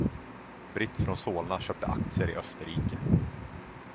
Britt från Solna köpte aktier i Österrike.